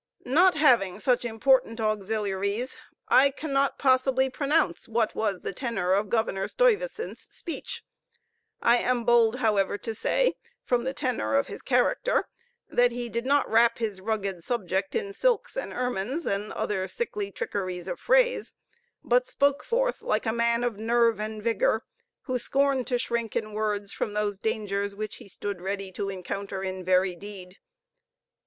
Not having such important auxiliaries, I cannot possibly pronounce what was the tenor of Governor Stuyvesant's speech. I am bold, however, to say, from the tenor of his character, that he did not wrap his rugged subject in silks and ermines, and other sickly trickeries of phrase, but spoke forth like a man of nerve and vigor, who scorned to shrink in words from those dangers which he stood ready to encounter in very deed.